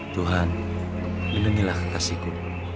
tuhan menenilah kasihku